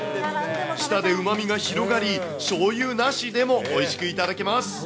舌でうまみが広がり、しょうゆなしでもおいしく頂けます。